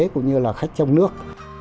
cũng như là khách trong nước